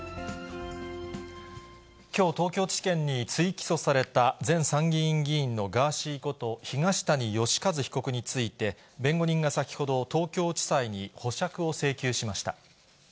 きょう、東京地検に追起訴された前参議院議員のガーシーこと東谷義和被告について、弁護人が先ほど、東京地裁に保釈を請求しました。